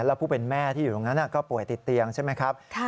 แล้วผู้เป็นแม่ที่อยู่ตรงนั้นก็ป่วยติดเตียงใช่ไหมครับ